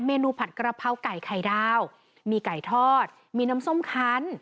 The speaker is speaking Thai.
นูผัดกระเพราไก่ไข่ดาวมีไก่ทอดมีน้ำส้มคัน